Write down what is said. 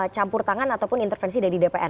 campur tangan ataupun intervensi dari dpr